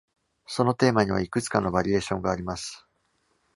そのテーマにはいくつかのバリエーションがあります。